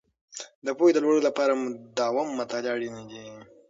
د پوهې د لوړولو لپاره مداوم مطالعه اړینې دي.